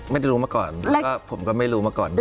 ไม่ได้รู้มาก่อนผมก็ไม่รู้มาก่อนด้วย